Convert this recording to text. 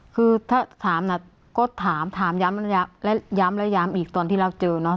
คือถ้าถามก็ถามถามย้ำและย้ำและย้ำอีกตอนที่เราเจอเนอ